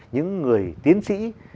những người tiến sĩ